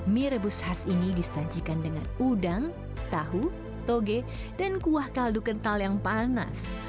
mie rebus khas ini disajikan dengan udang tahu toge dan kuah kaldu kental yang panas